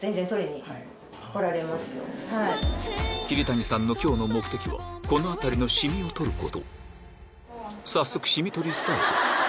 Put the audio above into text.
桐谷さんの今日の目的はこの辺りのシミを取ること早速シミ取りスタート